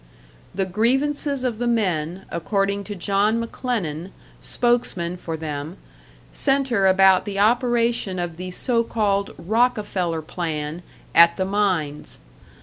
The grievances of the men, according to John McLennan, spokesman for them, centre about the operation of the so called "Rockefeller plan" at the mines.